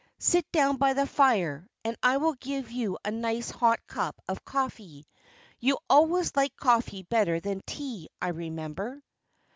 Sit down by the fire, and I will give you a nice hot cup of coffee. You always liked coffee better than tea, I remember."